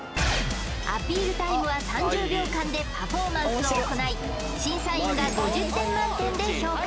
アピールタイムは３０秒間でパフォーマンスを行い審査員が５０点満点で評価